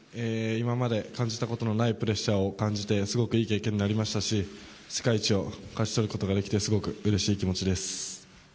今まで感じたことのないプレッシャーを感じてすごくいい経験になりましたし世界一を勝ち取ることができてすごくうれしい気持ちです。